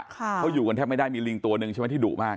เขาอยู่กันแทบไม่ได้มีลิงตัวหนึ่งใช่ไหมที่ดุมาก